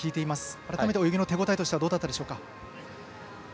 改めて泳ぎの手応えとしてはどうだったでしょうか。